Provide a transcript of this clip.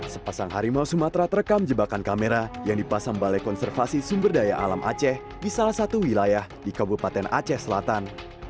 sepasang harimau sumatera terekam jebakan kamera yang dipasang balai konservasi sumber daya alam aceh di salah satu wilayah di kabupaten aceh selatan